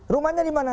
rumahnya di mana